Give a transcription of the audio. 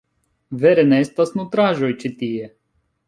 Vere ne estas nutraĵoj ĉi tie